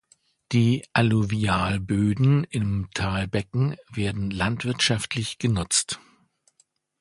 Die Alluvialböden im Talbecken werden landwirtschaftlich genutzt.